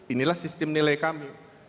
inilah sistem nilai kami